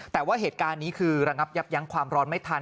แต่ว่าเหตุการณ์นี้คือระงับยับยั้งความร้อนไม่ทัน